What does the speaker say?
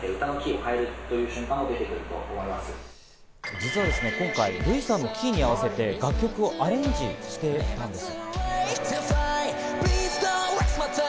実は今回、ルイさんのキーに合わせて楽曲をアレンジしていたんです。